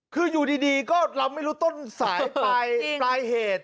คืออยู่ดีก็เราไม่รู้ต้นสายปลายเหตุ